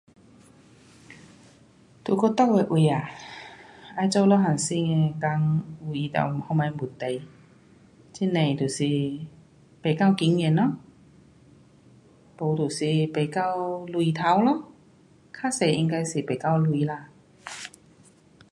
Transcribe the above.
在我住的位啊，要做一份工就不什么问题。很多就是